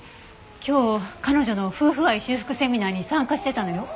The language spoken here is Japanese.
今日彼女の夫婦愛修復セミナーに参加してたのよ。